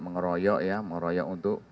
mengeroyok ya mengeroyok untuk